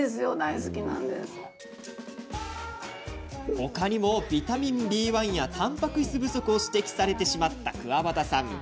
他にもビタミンＢ１やたんぱく質不足を指摘されてしまったくわばたさん。